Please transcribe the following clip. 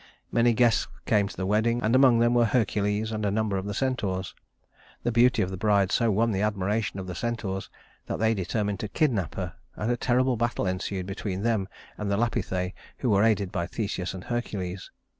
Many guests came to the wedding, and among them were Hercules and a number of the centaurs. The beauty of the bride so won the admiration of the centaurs that they determined to kidnap her, and a terrible battle ensued between them and the Lapithæ, who were aided by Theseus and Hercules.